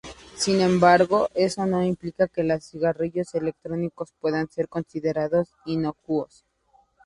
Sin embargo, eso no implica que los cigarrillos electrónicos puedan ser considerados inocuos.